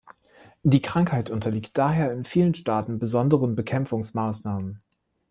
Die Krankheit unterliegt daher in vielen Staaten besonderen Bekämpfungsmaßnahmen.